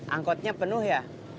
angkotnya penuh ya